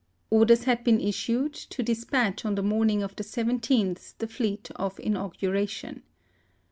Orders had been issued to despatch on the morning of the l7th the fleet of inau guration.